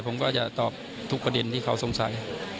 ผมก็จะตอบทุกประเด็นที่เขาสงสัย